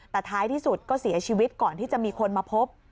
แต่ท้ายที่สุดก็เสียชีวิตก่อนที่จะมีคนมาพบ